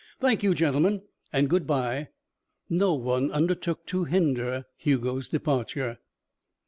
Thank you, gentlemen and good by." No one undertook to hinder Hugo's departure.